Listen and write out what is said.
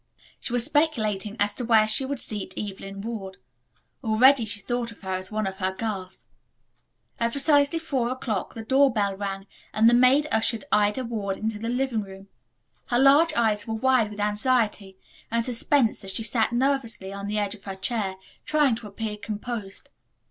She was speculating as to where she would seat Evelyn Ward. Already she thought of her as one of her girls. At precisely four o'clock the door bell rang and the maid ushered Ida Ward into the living room. Her large eyes were wide with anxiety and suspense as she sat nervously on the edge of her chair, trying to appear composed.